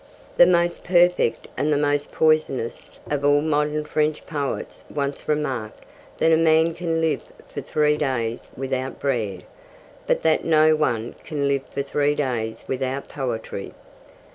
The most perfect and the most poisonous of all modern French poets once remarked that a man can live for three days without bread, but that no one can live for three days without poetry.